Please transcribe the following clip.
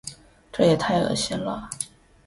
这也太恶心了。